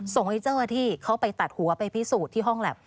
ส่งไว้เจ้าอาทิตย์เขาไปตัดหัวไปพิสุทธิ์ที่ห้องแล็บ